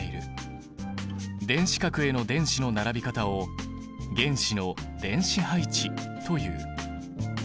電子殻への電子の並び方を原子の電子配置という。